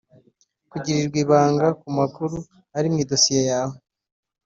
Kugirirwa ibanga ku makuru ari mu idosiye yawe